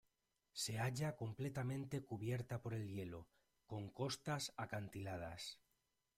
Se halla completamente cubierta por el hielo, con costas acantiladas.